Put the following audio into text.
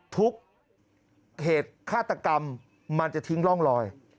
ทุกเหตุฆาตกรรมมันจะทิ้งร่องลอย